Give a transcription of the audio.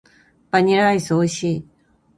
バニラアイス美味しい。